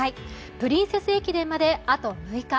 プリンセス駅伝まであ６日。